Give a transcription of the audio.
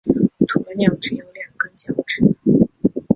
鸵鸟只有两根脚趾。